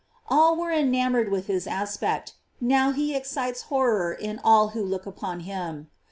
All were enamored with his aspect, now he ex cites horror in all who look upon him.